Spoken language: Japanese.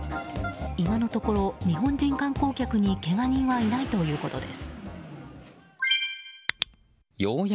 今のところ日本人観光客にけが人はいないということです。